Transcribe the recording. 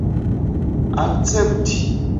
akcepti